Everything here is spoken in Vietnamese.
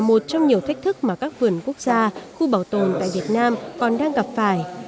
một trong nhiều thách thức mà các vườn quốc gia khu bảo tồn tại việt nam còn đang gặp phải